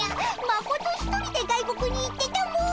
マコト一人で外国に行ってたも！